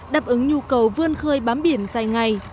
đáp ứng nhu cầu vươn khơi bám biển dài ngày